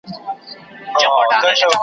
ګل غوندي مېرمن مي پاک الله را پېرزو کړې .